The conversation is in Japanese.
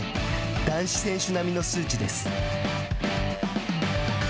男子選手並みの数値です。